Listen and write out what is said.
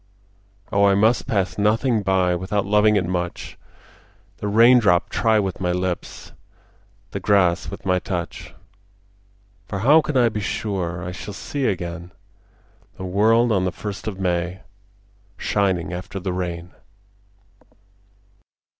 Oh I must pass nothing by Without loving it much, The raindrop try with my lips, The grass with my touch; For how can I be sure I shall see again The world on the first of May Shining after the rain?